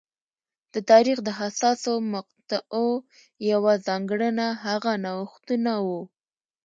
د تاریخ د حساسو مقطعو یوه ځانګړنه هغه نوښتونه وو